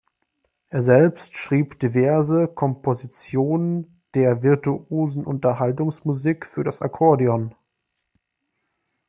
Er selbst schrieb diverse Komposition der virtuosen Unterhaltungsmusik für das Akkordeon.